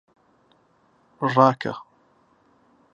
ڕاکە!